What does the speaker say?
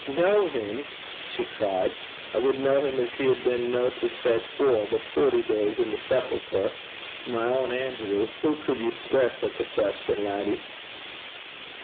'Ken him!' she cried; 'I wad ken him gin he had been no to say four, but forty days i' the sepulchre! My ain Anerew! Hoo cud ye speir sic a queston, laddie?'